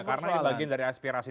karena dibagiin dari aspirasi